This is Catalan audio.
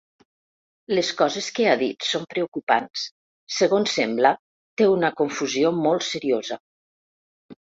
Les coses que ha dit són preocupants, segons sembla té una confusió molt seriosa.